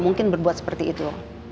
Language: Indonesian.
mungkin berbuat seperti itu